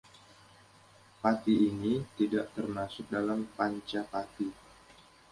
Pathi ini tidak termasuk dalam Pancha pathi.